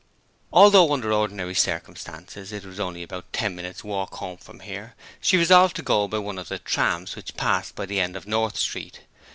Although under ordinary circumstances it was only about ten minutes' walk home from here, she resolved to go by one of the trams which passed by the end of North Street.